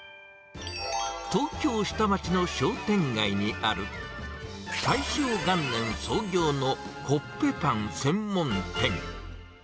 東京下町の商店街にある大正元年創業のコッペパン専門店。